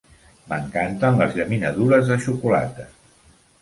M'encanten les llaminadures de xocolata.